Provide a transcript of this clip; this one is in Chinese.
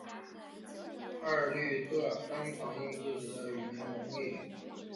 艾略特经常用自己的语言能力。